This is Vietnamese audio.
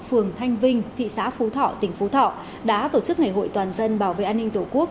phường thanh vinh thị xã phú thọ tỉnh phú thọ đã tổ chức ngày hội toàn dân bảo vệ an ninh tổ quốc